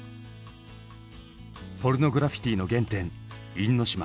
ポルノグラフィティの原点因島。